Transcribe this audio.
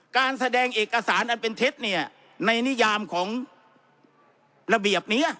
การแสดงเอกสารอันเป็นเท็จเนี่ยในนิยามของระเบียบนี้